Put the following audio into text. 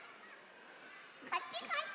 ・こっちこっち！